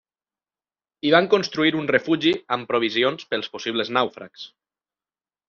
Hi van construir un refugi amb provisions pels possibles nàufrags.